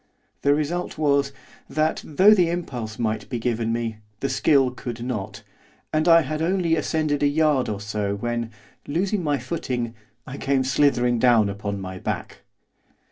The result was, that, though the impulse might be given me, the skill could not, and I had only ascended a yard or so when, losing my footing, I came slithering down upon my back.